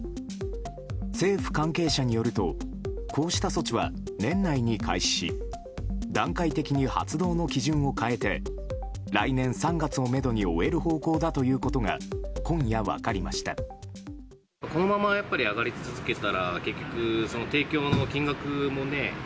政府関係者によるとこうした措置は年内に開始し段階的に発動の基準を変えて来年３月をめどに終える方向だということが今夜、分かりました。